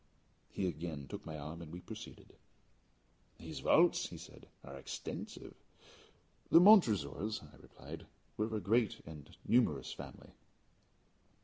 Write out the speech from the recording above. He again took my arm, and we proceeded. "These vaults," he said, "are extensive." "The Montresors," I replied, "were a great and numerous family."